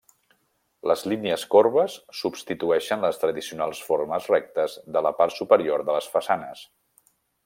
Les línies corbes substitueixen les tradicionals formes rectes de la part superior de les façanes.